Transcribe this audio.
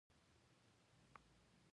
جنرالان او مقامات به شریف معرفي کېدل.